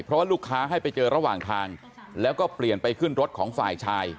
เพราะว่าลูกค้าให้ไปเจอระหว่างทางแล้วก็เปลี่ยนไปขึ้นรถของฝ่ายชาย